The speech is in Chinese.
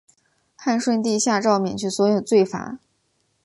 汉顺帝下诏免去所有罪罚。